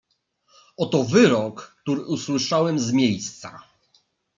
"Oto wyrok, który usłyszałem z miejsca."